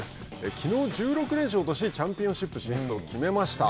きのう１６連勝とし、チャンピオンシップ進出を決めました。